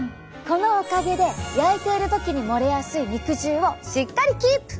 このおかげで焼いている時に漏れやすい肉汁をしっかりキープ！